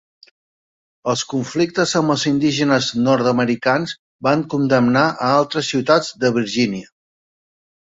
Els conflictes amb els indígenes nord-americans van condemnar a altres ciutats de Virgínia.